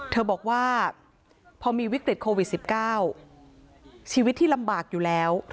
เธอบอกว่าพอมีวิกฤตโควิด๑๙ชีวิตที่ลำบากอยู่แล้ว